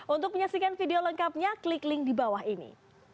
untuk menyaksikan video lengkapnya klik link di bawah ini